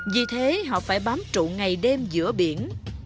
vì thế họ phải bám trụ ngày đêm giữa biển